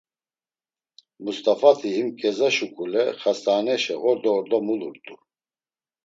Must̆afati, him ǩeza şuǩule xast̆aaneşa ordo ordo mulurt̆u.